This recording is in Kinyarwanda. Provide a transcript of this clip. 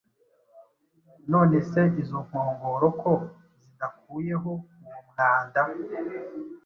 None se izo nkongoro ko zidakuyeho uwo mwanda